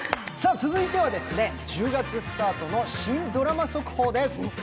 続いては１０月スタートの新ドラマ速報です。